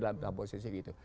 dalam posisi gitu